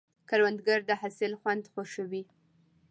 کروندګر د حاصل خوند خوښوي